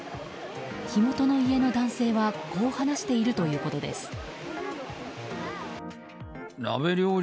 火元の家の男性はこう話しているということです。